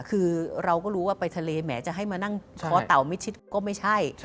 คือเราก็รู้ว่าไปทะเลแหมจะให้มานั่งท้อเต่ามิดชิดก็ไม่ใช่